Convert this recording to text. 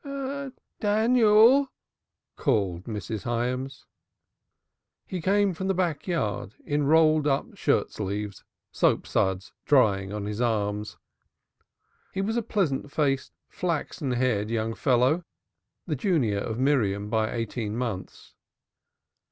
"Daniel!" called Mrs. Hyams. He came from the back yard in rolled up shirt sleeves, soap suds drying on his arms. He was a pleasant faced, flaxen haired young fellow, the junior of Miriam by eighteen months.